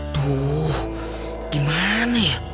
aduh gimana ya